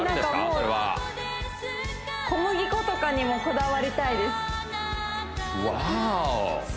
それは小麦粉とかにもこだわりたいですワオ！